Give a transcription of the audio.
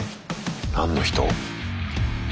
何の人？